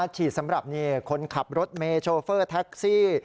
ฉีดสำหรับคนขับรถเมย์โชเฟอร์แท็กซี่